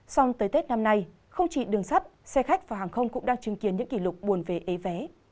song tới tết năm nay không chỉ đường sắt xe khách và hàng không cũng đang chứng kiến những kỷ lục buồn về ế vé